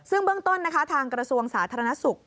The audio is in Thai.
ซึ่งเบื้องต้นนะคะทางกระทรวงสาธารณสุข